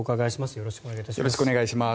よろしくお願いします。